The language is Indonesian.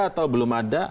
atau belum ada